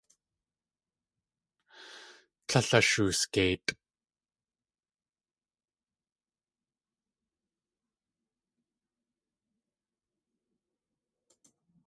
Tlél ashoosgeitʼ.